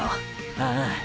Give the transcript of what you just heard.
ああ！！